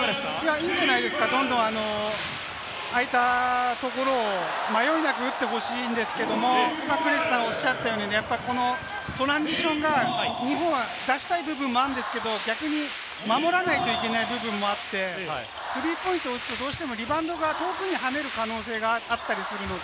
いいんじゃないですか、どんどん、ああいったところを迷いなく打ってほしいんですけれども、クリスさんがおっしゃったように、トランジションが日本は出したい部分もあるんですけれども、逆に守らないといけない部分もあって、スリーポイントを打つと、どうしてもリバウンドが遠くに跳ねる可能性があったりするので。